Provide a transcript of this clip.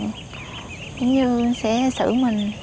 giống như sẽ xử mình